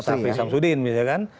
pak safi samsudin misalnya kan